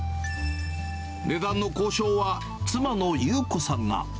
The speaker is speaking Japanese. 値段の交渉は妻の裕子さんが。